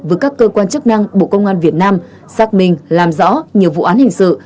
với các cơ quan chức năng bộ công an việt nam xác minh làm rõ nhiều vụ án hình sự